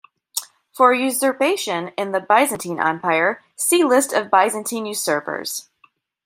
For usurpation in the Byzantine Empire, see List of Byzantine usurpers.